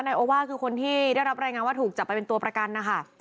โอว่าคือคนที่ได้รับรายงานว่าถูกจับไปเป็นตัวประกันนะคะ